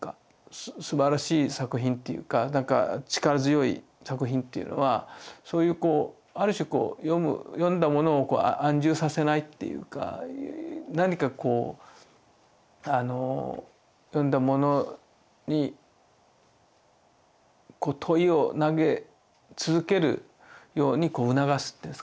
すばらしい作品っていうか力強い作品っていうのはそういうある種読んだ者を安住させないっていうか何かこう読んだ者に問いを投げ続けるように促すっていうんですかね